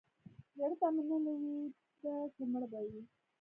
زړه ته مې نه لوېده چې مړ به وي.